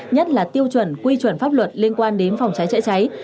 nhất là tiêu chuẩn quy chuẩn pháp luật liên quan đến phòng cháy chữa cháy